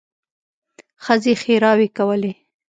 ښځې ښېراوې کولې.